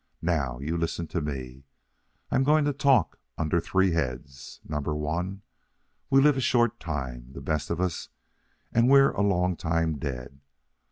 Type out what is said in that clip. Now you listen to me. I'm going to talk under three heads. Number one: We live a short time, the best of us, and we're a long time dead.